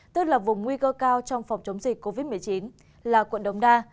tức là vùng nguy cơ cao trong phòng chống dịch covid một mươi chín là quận đống đa